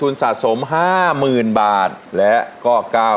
ผ่านยกที่สองไปได้นะครับคุณโอ